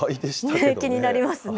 気になりますね。